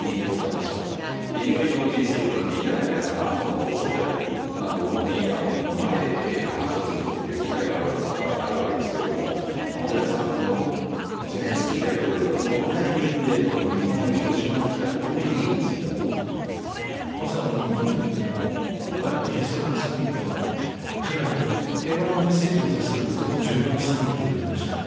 そしていよいよＧ７のリーダーや招待国などのリーダーの前で話をするという機会があるわけですけど、小野寺さんこのゼレンスキー大統領がこのタイミングで日本の広島に来たこの意義についてまず、日本にとっても今回のＧ７サミットは平和のメッセージを出すとても重要なサミットでありました。